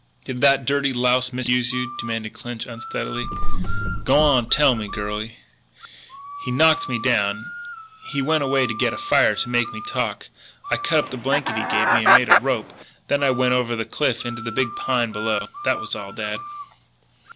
"Did that dirty louse misuse you?" demanded Clinch unsteadily. "G'wan tell me, girlie." "He knocked me down.... He went away to get fire to make me talk. I cut up the blanket they gave me and made a rope. Then I went over the cliff into the big pine below. That was all, dad."